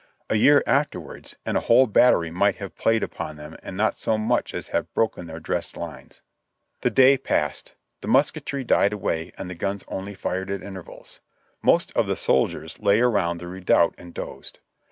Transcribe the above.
A year afterwards, and a whole battery might have played upon them and not so much as have broken their dressed lines. The day passed ; the musketry died away and the guns only fired at intervals ; most of the soldiers lay around the redoubt and dozed.